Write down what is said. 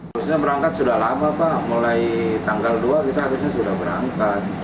harusnya berangkat sudah lama pak mulai tanggal dua kita harusnya sudah berangkat